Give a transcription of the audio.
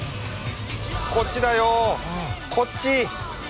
こっちだよこっち！